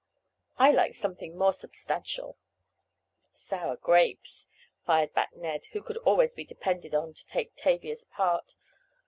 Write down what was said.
"I like something more substantial." "Sour grapes," fired back Ned, who could always be depended on to take Tavia's part.